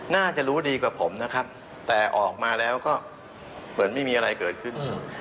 น่าจะรู้ดีกว่าผมนะครับแต่ออกมาแล้วก็เหมือนไม่มีอะไรเกิดขึ้น